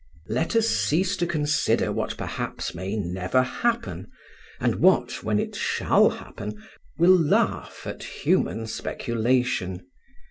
"Let us cease to consider what perhaps may never happen, and what, when it shall happen, will laugh at human speculation.